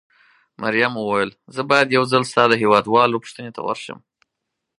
مريم وویل: زه باید یو ځل ستا د هېواد والاو پوښتنې ته ورشم.